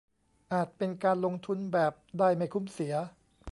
อาจเป็นการลงทุนแบบได้ไม่คุ้มเสีย